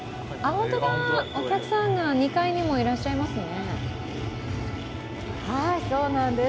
お客さんが２階にもいらっしゃいますね。